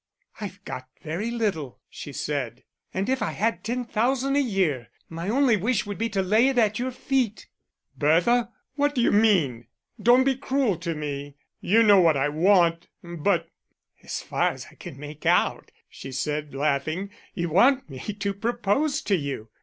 "I've got very little," she said. "And if I had ten thousand a year, my only wish would be to lay it at your feet." "Bertha, what d'you mean? Don't be cruel to me. You know what I want, but " "As far as I can make out," she said, laughing, "you want me to propose to you."